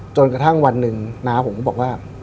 จนกระทั่งวันหนึ่งน้าผมก็บอกว่า